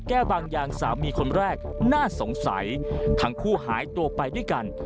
บางอย่างสามีคนแรกน่าสงสัยทั้งคู่หายตัวไปด้วยกัน